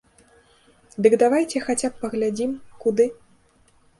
Дык давайце хаця б паглядзім, куды.